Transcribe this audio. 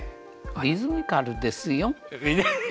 リズミカルですよ。